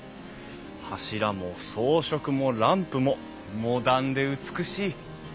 柱も装飾もランプもモダンで美しい！